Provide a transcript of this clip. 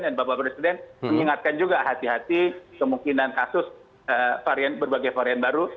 dan bapak presiden mengingatkan juga hati hati kemungkinan kasus varian berbagai varian baru